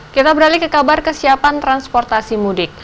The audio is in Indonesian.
kita beralih ke kabar kesiapan transportasi mudik